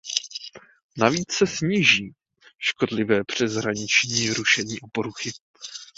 Navíc se sníží škodlivé přeshraniční rušení a poruchy.